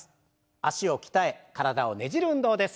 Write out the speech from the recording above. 脚を鍛え体をねじる運動です。